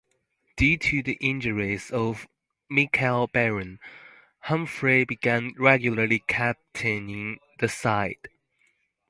Due to the injuries of Michael Barron, Humphreys began regularly captaining the side.